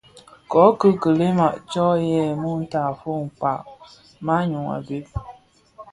Kōki kilènga tsom yè mutafog kpag manyu a bhëg.